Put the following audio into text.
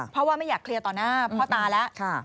เพราะว่าไม่อยากเคลียร์ต่อหน้าพ่อตาแล้ว